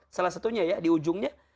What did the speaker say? salah satunya ya di ujungnya